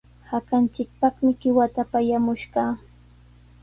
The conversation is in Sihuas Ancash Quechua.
Hakanchikpaqmi qiwata pallamushqaa.